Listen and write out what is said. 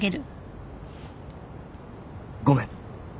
ごめん。